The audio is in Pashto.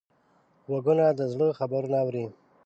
غوږونه د زړه خبرونه اوري